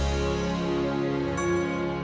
jangan lupa like share dan subscribe